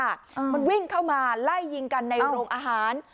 มันวิ่งเข้ามาไล่ยิงกันในโรงอาหาร